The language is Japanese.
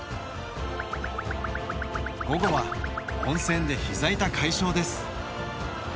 午後は温泉でひざ痛解消です。